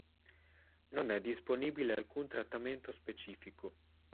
Non è disponibile alcun trattamento specifico.